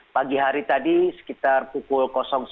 pagi hari tadi sekitar pukul sembilan tiga puluh